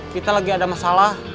kita lagi ada masalah